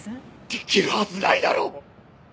できるはずないだろう！